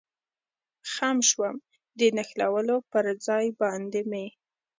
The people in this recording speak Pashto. خم شوم، د نښلولو پر ځای باندې مې.